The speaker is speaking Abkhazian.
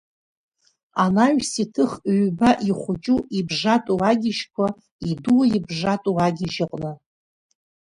Анаҩс иҭых ҩба ихәыҷу ибжатоу агьежьқәа идуу ибжатоу агьежь аҟны.